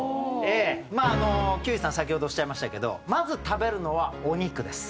まあ休井さん先ほどおっしゃいましたけどまず食べるのはお肉です。